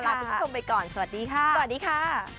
ลาคุณผู้ชมไปก่อนสวัสดีค่ะ